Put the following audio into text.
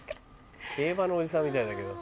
競馬のおじさんみたいだけど。